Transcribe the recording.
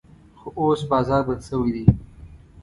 خو اوس بازار بند شوی دی.